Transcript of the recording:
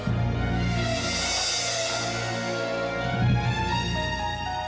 lalu sudah agricot tegas telam ini